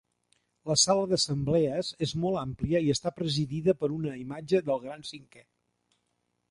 La sala d'assemblees és molt àmplia i està presidida per una imatge del Gran Cinquè.